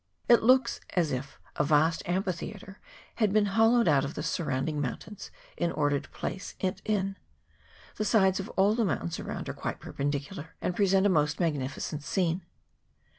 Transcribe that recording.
It looks as if a vast amphitheatre had been hollowed out of the sur rounding mountains in order to place it in. The sides of all the mountains around are quite perpen dicular, and present a most magnificent scene.